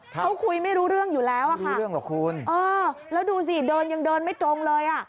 เขาคุยไม่รู้เรื่องอยู่แล้วค่ะอ้อแล้วดูสิเดินยังเดินไม่ตรงเลย